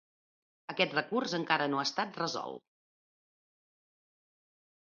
Aquest recurs encara no ha estat resolt.